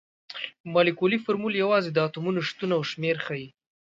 مالیکولي فورمول یوازې د اتومونو شتون او شمیر ښيي.